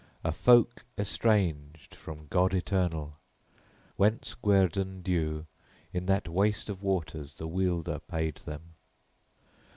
a folk estranged from God Eternal: whence guerdon due in that waste of waters the Wielder paid them.